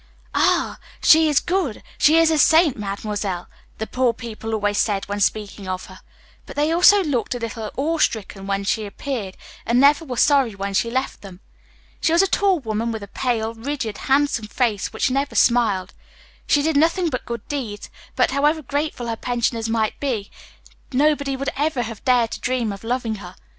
"Ah! she is good she is a saint Mademoiselle," the poor people always said when speaking of her; but they also always looked a little awe stricken when she appeared, and never were sorry when she left them. She was a tall woman, with a pale, rigid, handsome face, which never smiled. She did nothing but good deeds, but however grateful her pensioners might be, nobody would ever have dared to dream of loving her.